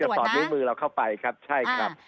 เรากำลังจะสอนนิ้วมือเราเข้าไปครับใช่ครับ